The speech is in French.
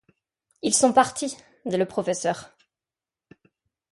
Ils sont partis ! dit le professeur.